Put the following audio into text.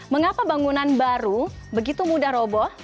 mengapa bangunan baru begitu mudah roboh